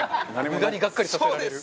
無駄にがっかりさせられる。